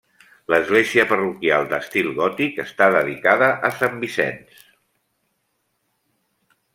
L'església parroquial d'estil gòtic està dedicada a Sant Vicenç.